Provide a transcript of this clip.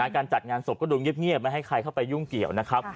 การจัดงานศพก็ดูเงียบไม่ให้ใครเข้าไปยุ่งเกี่ยวนะครับ